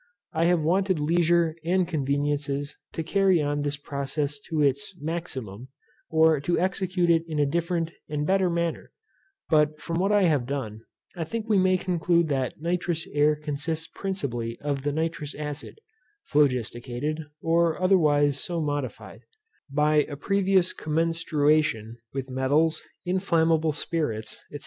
I have wanted leisure, and conveniences, to carry on this process to its maximum, or to execute it in a different and better manner; but from what I have done, I think we may conclude that nitrous air consists principally of the nitrous acid, phlogisticated, or otherwise so modified, by a previous commenstruation with metals, inflammable spirits, &c.